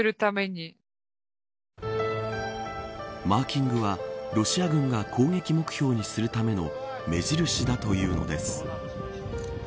マーキングはロシア軍が攻撃目標にするための目印だというのです。